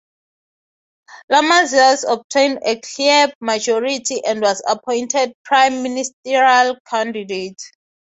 Llamazares obtained a clear majority and was appointed Prime Ministerial candidate.